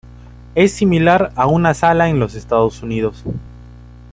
Es similar a una sala en los Estados Unidos.